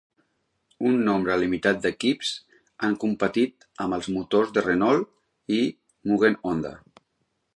Un nombre limitat d'equips han competit amb els motors de Renault i Mugen-Honda.